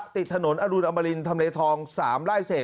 ติดถนนอรุณอมรินทำเลทอง๓ไร่เศษ